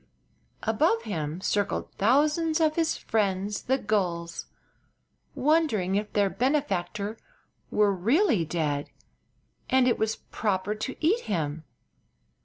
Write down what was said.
Above him circled thousands of his friends the gulls, wondering if their benefactor were really dead and it was proper to eat him.